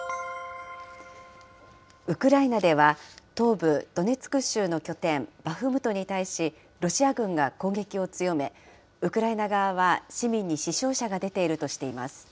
ウクライナでは、東部ドネツク州の拠点、バフムトに対し、ロシア軍が攻撃を強め、ウクライナ側は市民に死傷者が出ているとしています。